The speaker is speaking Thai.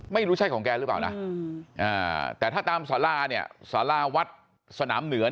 ไม่รู้ใช่ของแกหรือเปล่านะแต่ถ้าตามสรานาวัดสนามเหนือ